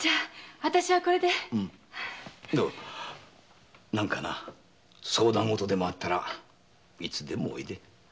あのな何か相談ごとでもあったらいつでもおいで。